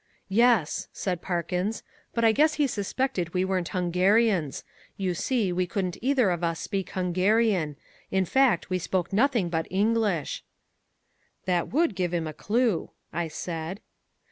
"Yes," said Parkins, "but I guess he suspected we weren't Hungarians. You see, we couldn't either of us speak Hungarian. In fact we spoke nothing but English." "That would give him a clue," I said.